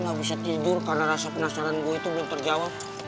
gak bisa tidur karena rasa penasaran gue itu belum terjawab